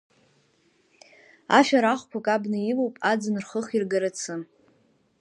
Ашәарахқәагь абна илоуп, аӡын рхых иргарацы.